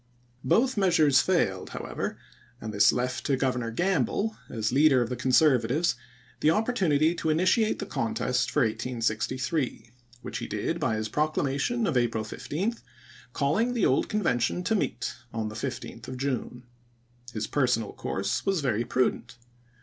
Both measures failed, however, and this left to Governor Gamble, as leader of the Conservatives, the opportunity to initiate the contest for 1863, which he did by his proclamation of April 15, calling the old Conven isea. tion to meet on the loth of June. His personal course was very prudent.